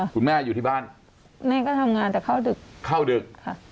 คุณแม่อยู่ที่บ้านแม่ก็ทำงานแต่เข้าดึก